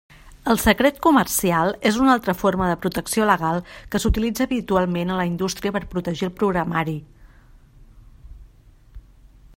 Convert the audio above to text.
El secret comercial és una altra forma de protecció legal que s'utilitza habitualment en la indústria per protegir el programari.